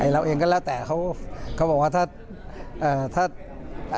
เราเองก็แล้วแต่เขาบอกว่าถ้า